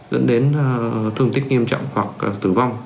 dẫn đến thương tích nghiêm trọng hoặc tử vong